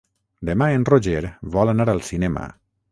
Demà en Roger vol anar al cinema.